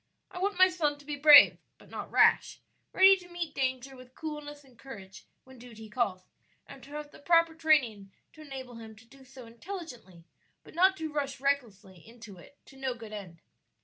I want my son to be brave, but not rash; ready to meet danger with coolness and courage when duty calls, and to have the proper training to enable him to do so intelligently, but not to rush recklessly into it to no good end."